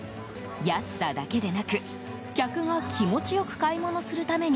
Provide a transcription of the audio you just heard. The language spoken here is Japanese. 安さだけでなく客が気持ち良く買い物するために